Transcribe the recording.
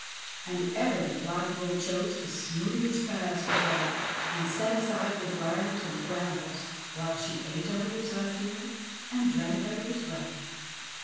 And ever the Black Bull chose the smoothest paths for her and set aside the briars and brambles, while she ate out of his left ear and drank out of his right.